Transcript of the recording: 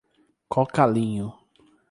Cocalinho